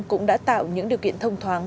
cũng đã tạo những điều kiện thông thoáng